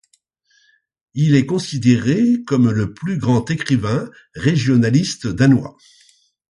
Il est considéré comme le plus grand écrivain régionaliste danois.